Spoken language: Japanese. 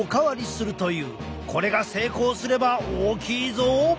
これが成功すれば大きいぞ！